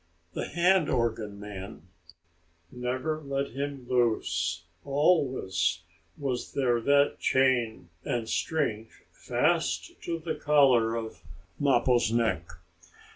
The hand organ man never let him loose; always was there that chain and string fast to the collar on Mappo's neck.